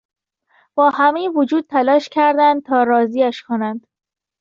با همهی وجود تلاش کردند تا راضیش کنند.